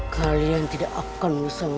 kalian tidak akan lusang